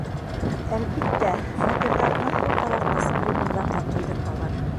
Әлбиттә, фатирҙарына һыу таҙартҡыс приборҙар ҙа ҡуйҙырталар.